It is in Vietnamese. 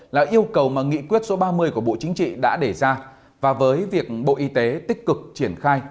là yêu cầu mà nghị quyết số ba mươi của bộ chính trị đã để ra và với việc bộ y tế tích cực triển khai